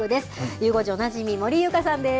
ゆう５時おなじみ、森井ユカさんです。